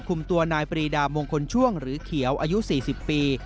คุมตัวนายปรีดามงคลช่วงหรือเขียวอายุ๔๐ปี